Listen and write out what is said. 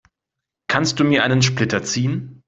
Kannst du mir einen Splitter ziehen?